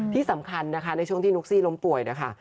ที่สำคัญนะคะในช่วงที่นุ๊กซี่ล้มป่วยนะคะ